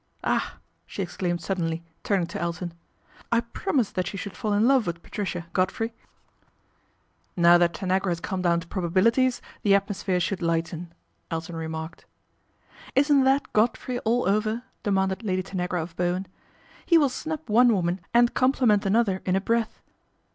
Ah !" she exclaimed suddenly, turning o Elton. " I promised that you should fall in ve with Patricia, Godfrey." i82 PATRICIA BRENT, SPINSTER " Now that Tanagra has come down to proba bilities the atmosphere should lighten/' Elton remarked. " Isn't that Godfrey all over ?" demanded Lady Tanagra of Bowen. "He will snub one 1 woman and compliment another in a breath.